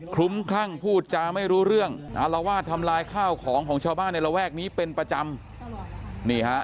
ลุ้มคลั่งพูดจาไม่รู้เรื่องอารวาสทำลายข้าวของของชาวบ้านในระแวกนี้เป็นประจำนี่ฮะ